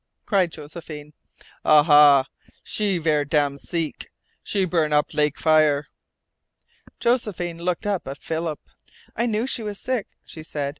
cried Josephine. "Aha. She ver' dam' seek. She burn up lak fire." Josephine looked up at Philip. "I knew she was sick," she said.